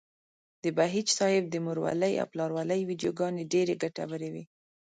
د بهيج صاحب د مورولۍ او پلارولۍ ويډيوګانې ډېرې ګټورې وې.